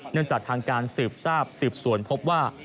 จากทางการสืบทราบสืบสวนพบว่า